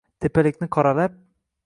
Tepalikni qoralab